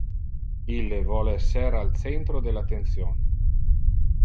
Ille voler esser al centro del attention.